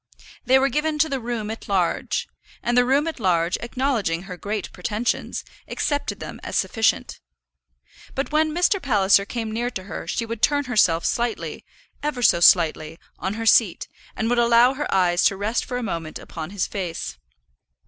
They were given to the room at large; and the room at large, acknowledging her great pretensions, accepted them as sufficient. But when Mr. Palliser came near to her she would turn herself slightly, ever so slightly, on her seat, and would allow her eyes to rest for a moment upon his face.